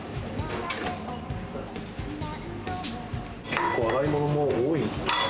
結構、洗い物も多いんですね。